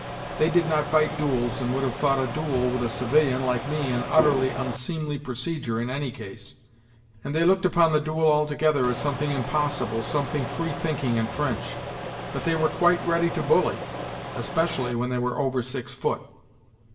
They did not fight duels and would have thought a duel with a civilian like me an utterly unseemly procedure in any case and they looked upon the duel altogether as something impossible, some thing free thinking and French. But they were quite ready to bully, especially when they were over six foot.